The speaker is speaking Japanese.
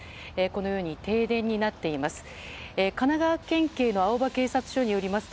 このように停電になっています。